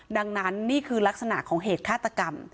ดังนั้นนี่คือลักษณะของเหตุฆาตกรรม